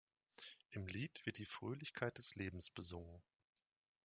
Im Lied wird die Fröhlichkeit des Lebens besungen.